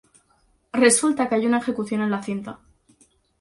Resulta que hay una ejecución en la cinta.